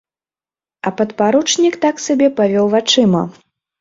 А падпаручнік, так сабе, павёў вачыма.